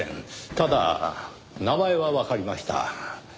ただ名前はわかりました。